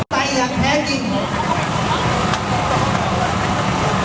ใครอยากแท้กิจ